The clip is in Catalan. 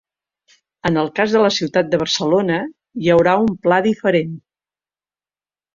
En el cas de la ciutat de Barcelona, hi haurà un pla diferent.